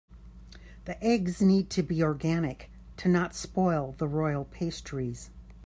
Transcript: The eggs need to be organic to not spoil the royal pastries.